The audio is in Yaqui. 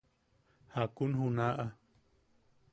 ¿Jakun junaʼa?